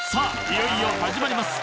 いよいよ始まります